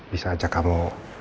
bisa ajak kamu